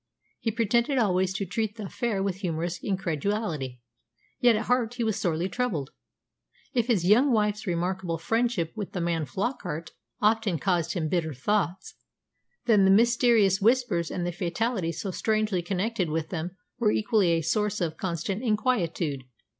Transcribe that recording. He pretended always to treat the affair with humorous incredulity, yet at heart he was sorely troubled. If his young wife's remarkable friendship with the man Flockart often caused him bitter thoughts, then the mysterious Whispers and the fatality so strangely connected with them were equally a source of constant inquietude.